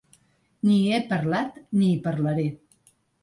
Ni hi he parlat ni hi parlaré.